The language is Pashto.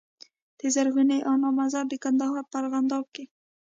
د زرغونې انا مزار د کندهار په ارغنداب کي